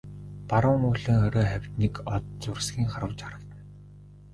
Баруун уулын орой хавьд нэг од зурсхийн харваж харагдана.